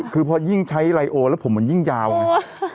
คือพอยิ่งใช้ไลโอแล้วผมมันยิ่งยาวไง